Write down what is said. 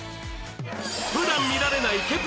普段見られない Ｋｅｐ